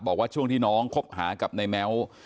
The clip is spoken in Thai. บอกว่าช่วงที่น้องคบหากับในแม้ว